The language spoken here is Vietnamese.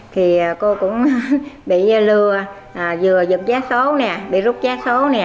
thì cô cũng bị lừa vừa giúp giá số nè bị rút giá số nè